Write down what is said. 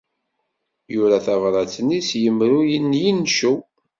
Yura tabṛat-nni s yimru n yincew.